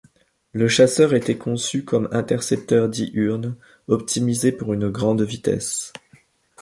Le chasseur était conçu comme intercepteur diurne, optimisé pour une grande vitesse.